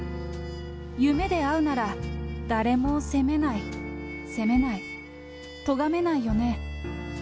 夢で会うなら誰も攻めない、責めない、とがめないよね。